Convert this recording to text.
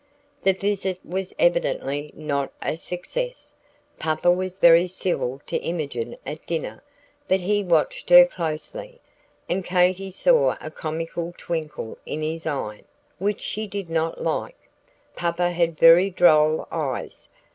The visit was evidently not a success. Papa was very civil to Imogen at dinner, but he watched her closely, and Katy saw a comical twinkle in his eye, which she did not like. Papa had very droll eyes.